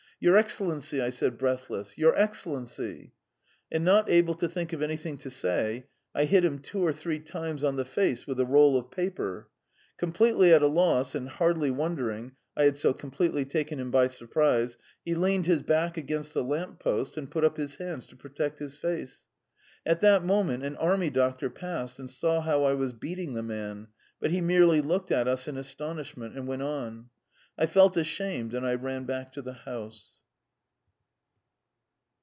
"Your Excellency!" I said breathless, "your Excellency!" And not able to think of anything to say, I hit him two or three times on the face with the roll of paper. Completely at a loss, and hardly wondering I had so completely taken him by surprise he leaned his back against the lamp post and put up his hands to protect his face. At that moment an army doctor passed, and saw how I was beating the man, but he merely looked at us in astonishment and went on. I felt ashamed and I ran back to the house.